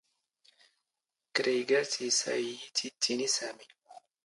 ⴽⵔⴰⵢⴳⴰⵜ ⵉⵙ ⴰ ⵉⵢⵉ ⵜ ⵉⵜⵜⵉⵏⵉ ⵙⴰⵎⵉ.